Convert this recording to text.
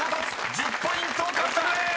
［１０ポイント獲得でーす！］